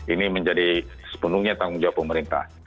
ini menjadi sepenuhnya tanggung jawab pemerintah